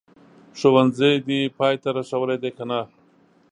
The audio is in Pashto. ښوونځی دي پای ته رسولی دی که نه ؟